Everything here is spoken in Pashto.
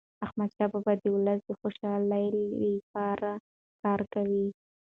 احمدشاه بابا د ولس د خوشحالیلپاره کار کاوه.